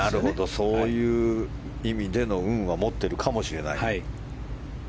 そういう意味での運は持っているかもしれない。